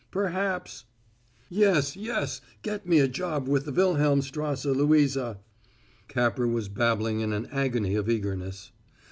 Perhaps " "Yes, yes; get me a job with the Wilhelmstrasse, Louisa!" Capper was babbling in an agony of eagerness.